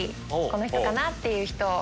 この人かなっていう人。